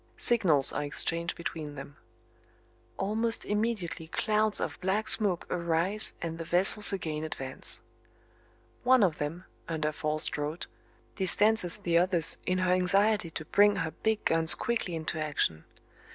Signals are exchanged between them. Almost immediately clouds of black smoke arise and the vessels again advance. One of them, under forced draught, distances the others in her anxiety to bring her big guns quickly into action.